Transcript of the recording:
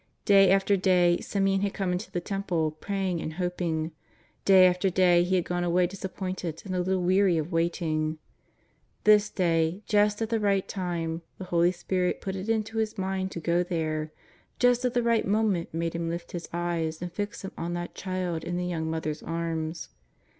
Day after day Simeon had come into the Temple praying and hoping; day after day he had gone away disappointed and a little weary of waiting. This day, just at the right time, the Holy Spirit put it into his mind to go there, just at the right moment made him lift his eyes and ^ them on that Child in the young mother's arms.